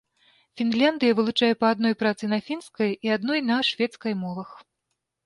Фінляндыя вылучае па адной працы на фінскай і адной на шведскай мовах.